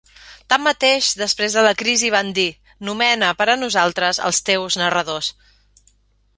Tanmateix, després de la crisi van dir: "Nomena per a nosaltres els teus narradors.